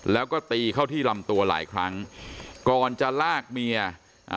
แล้วก็ตีเข้าที่ลำตัวหลายครั้งก่อนจะลากเมียอ่า